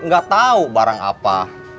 gak tahu barang apa